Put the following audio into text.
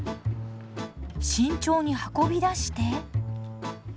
慎重に運び出して。